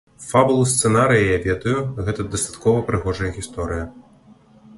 Фабулу сцэнарыя я ведаю, гэта дастаткова прыгожая гісторыя.